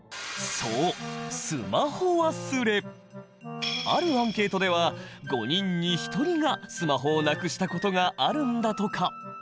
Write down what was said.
そうあるアンケートでは５人に一人がスマホをなくしたことがあるんだとか！